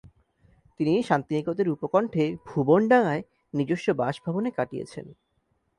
তিনি শান্তিনিকেতনের উপকণ্ঠে ভুবনডাঙায় নিজস্ব বাসভবনে কাটিয়েছেন ।